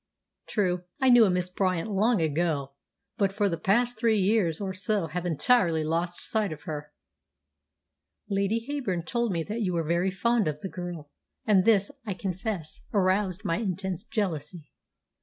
"True, I knew a Miss Bryant long ago, but for the past three years or so have entirely lost sight of her." "Lady Heyburn told me that you were very fond of the girl, and this, I confess, aroused my intense jealousy.